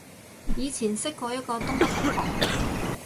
以前識過一個東北同學